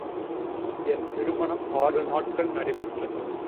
என் திருமணம் ஆறு நாட்கள் நடைபெற்றது.